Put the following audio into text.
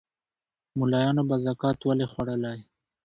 مُلایانو به زکات ولي خوړلای